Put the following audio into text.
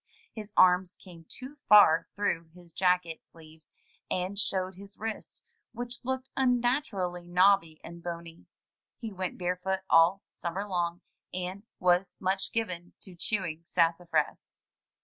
His arms came too far through his jacket sleeves, and showed his wrists, which looked unnaturally knobby and bony. He went barefoot all summer long, and was much given to chewing sassafras.